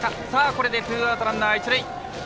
これでツーアウトランナー、一塁。